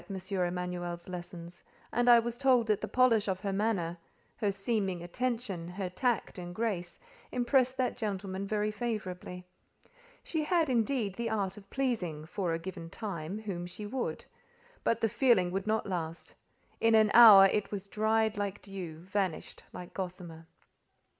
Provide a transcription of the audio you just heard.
Emanuel's lessons, and I was told that the polish of her manner, her seeming attention, her tact and grace, impressed that gentleman very favourably. She had, indeed, the art of pleasing, for a given time, whom she would; but the feeling would not last: in an hour it was dried like dew, vanished like gossamer.